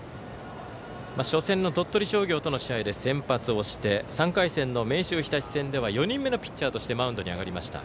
初戦の鳥取商業との試合で先発をして３回戦の明秀日立戦では４人目のピッチャーとしてマウンドに上がりました。